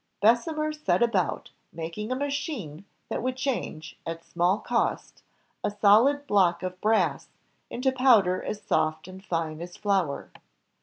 HENRY BESSEMER set about making a machine that would change, at s m a ll cost, a solid block of brass into powder as soft and fine as flour.